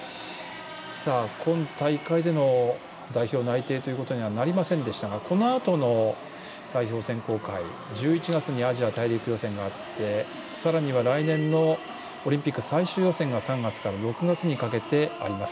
今大会での代表内定にはなりませんでしたがこのあとの代表選考会１１月にアジア大陸予選がありましてさらには来年のオリンピック最終予選が３月から６月にかけてあります。